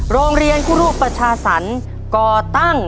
โรงเรียนคุรุประชาษันก่อตั้ง